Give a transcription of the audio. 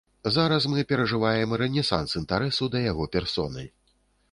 Зараз мы перажываем рэнесанс інтарэсу да яго персоны.